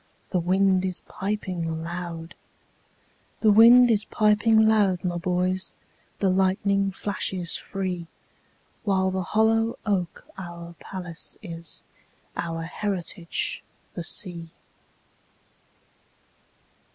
The wind is piping loud; The wind is piping loud, my boys, The lightning flashes free—While the hollow oak our palace is, Our heritage the sea.